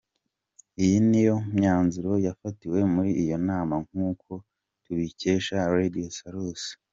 Iyi ni yo myanzuro yafatiwe muri iyo nama nk’uko tubikesha radio Salusi:.